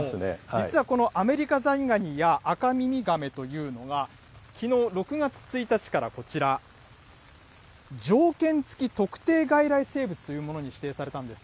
実はこのアメリカザリガニやアカミミガメというのが、きのう６月１日からこちら、条件付特定外来生物というものに指定されたんです。